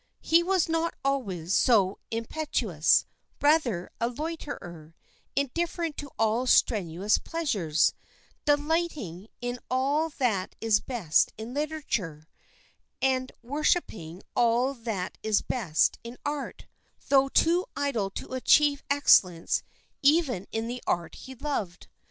"He was not always so impetuous, rather a loiterer, indifferent to all strenuous pleasures, delighting in all that is best in literature, and worshipping all that is best in art, though too idle to achieve excellence even in the art he loved.